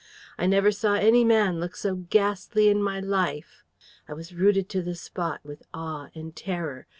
I never saw any man look so ghastly in my life. I was rooted to the spot with awe and terror.